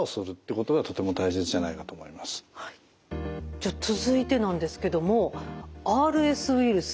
じゃ続いてなんですけどもＲＳウイルス